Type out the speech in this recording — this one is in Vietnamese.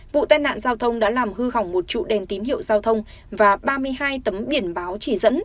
vụ tai nạn giao thông đã làm hư hỏng một trụ đèn tín hiệu giao thông và ba mươi hai tấm biển báo chỉ dẫn